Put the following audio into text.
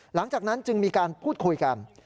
หลังจากนั้นจึงมีการพูดคุยกัน